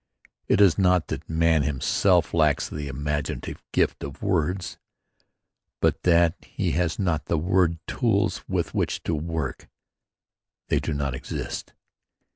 It is not that man himself lacks the imaginative gift of words but that he has not the word tools with which to work. They do not exist.